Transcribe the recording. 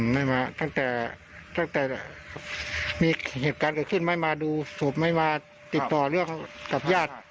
ไม่มาตั้งแต่ตั้งแต่มีเหตุการณ์เกิดขึ้นไม่มาดูศพไม่มาติดต่อเรื่องกับญาติ